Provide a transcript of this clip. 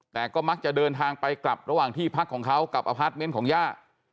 แต่ก็มักจะเดินทางไปกลับระหว่างที่พักของเขากับอพาร์ทเมนต์ของย่า